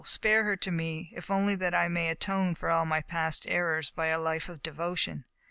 Spare her to me, if only that I may atone for all my past errors by a life of devotion.